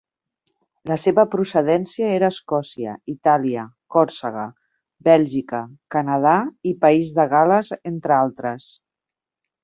La seva procedència era Escòcia, Itàlia, Còrsega, Bèlgica, Canadà i País de Gal·les entre altres.